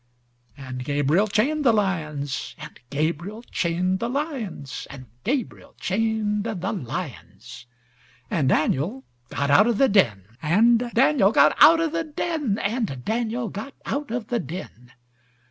And Gabriel chained the lions, And Gabriel chained the lions, And Gabriel chained the lions, And Daniel got out of the den, And Daniel got out of the den, And Daniel got out of the den.